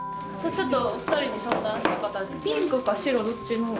ちょっとお二人に相談したかったんですけどピンクか白どっちの方がいいですか？